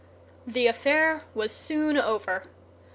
The affair was soon over.